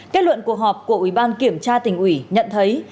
kết luận cuộc họp của ủy ban kiểm tra tỉnh ủy nhận thấy